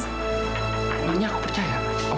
ini aku percaya